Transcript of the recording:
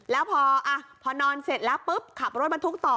แล้วพอนอนเสร็จแล้วปุ๊บขับรถบรรทุกต่อ